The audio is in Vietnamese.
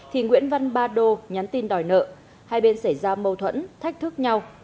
thì nguyễn văn ba đô nhắn tin đòi nợ hai bên xảy ra mâu thuẫn thách thức nhau